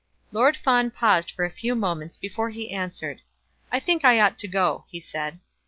Lord Fawn paused for a few moments before he answered. "I think I ought to go," he said.